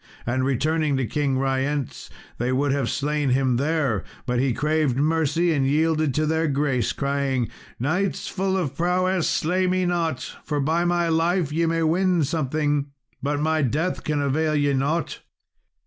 And returning to King Ryence they would have slain him there, but he craved mercy, and yielded to their grace, crying, "Knights full of prowess, slay me not; for by my life ye may win something but my death can avail ye nought."